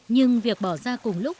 nhưng việc bỏ ra cùng lúc